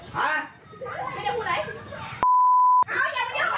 บางเรื่องค่ะ